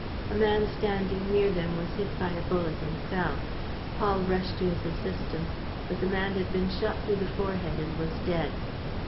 A man standing near them was hit by a bullet and fell. Paul rushed to his assistance; but the man had been shot through the forehead and was dead.